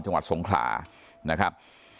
จังหวัดทรงศาสน์ส่งขลานะครับ